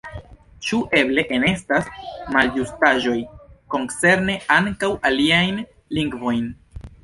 Ĉu eble enestas malĝustaĵoj koncerne ankaŭ aliajn lingvojn?